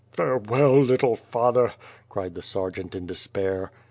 "Farewell, little father!'^ cried the sergeant in despair.